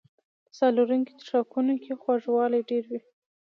په ساه لرونکو څښاکونو کې خوږوالی ډېر وي.